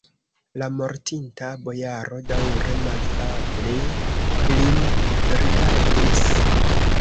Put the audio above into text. La mortinta bojaro daŭre malafable lin rigardis.